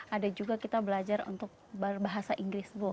ada juga kita belajar untuk bahasa inggris bu